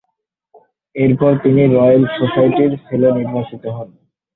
এরপর তিনি রয়েল সোসাইটির ফেলো নির্বাচিত হন।